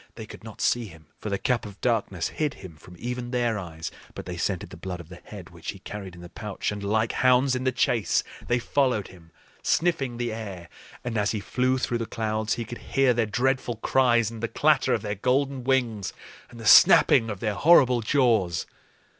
They could not see him, for the Cap of Darkness hid him from even their eyes; but they scented the blood of the head which he carried in the pouch, and like hounds in the chase, they followed him, sniffing the air. And as he flew through the clouds he could hear their dreadful cries and the clatter of their golden wings and the snapping of their horrible jaws.